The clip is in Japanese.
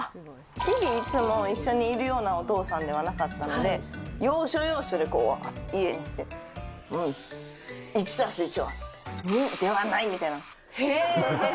日々いつも、一緒にいるようなお父さんではなかったので、要所要所で家で、１＋１は２ではないみたいな。